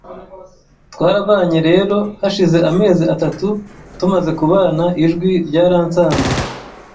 twarabanye rero hashize amezi atatu tumaze kubana ijwi ryaransanze